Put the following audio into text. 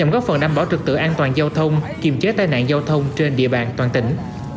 góp phần đảm bảo trực tự an toàn giao thông kiềm chế tai nạn giao thông trên địa bàn toàn tỉnh